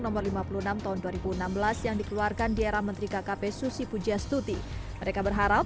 nomor lima puluh enam tahun dua ribu enam belas yang dikeluarkan di era menteri kkp susi pujastuti mereka berharap